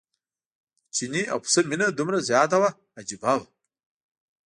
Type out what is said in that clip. د چیني او پسه مینه دومره زیاته وه عجیبه وه.